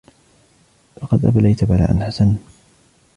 لقد أبليت بلاءً حسناً